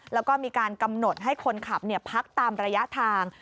แล้วก็มีการกำหนดให้คนขับพักตามระยะทาง